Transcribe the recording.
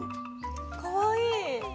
かわいい。